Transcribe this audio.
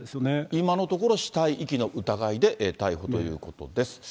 今のところ死体遺棄の疑いで逮捕ということです。